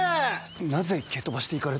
なぜ蹴飛ばしていかれたんじゃ。